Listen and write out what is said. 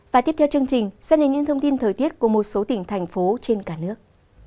và tiếp theo chương trình sẽ là những thông tin thời tiết của một số tỉnh thành phố trên cả nước